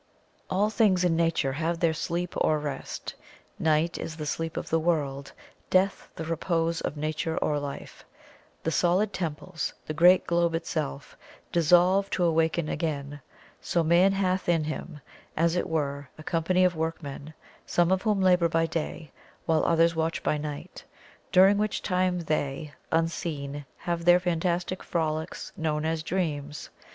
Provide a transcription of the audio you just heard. All things in nature have their sleep or rest, night is the sleep of the world, death the repose of Nature or Life the solid temples, the great globe itself, dissolve to awaken again; so man hath in him, as it were, a company of workmen, some of whom labor by day, while others watch by night, during which time they, unseen, have their fantastic frolics known as dreams.